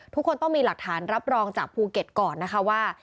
ทุกคนต้องมีหลักฐานรับรองจากภูเก็ตก่อนนะคะว่า